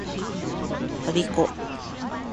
我孫子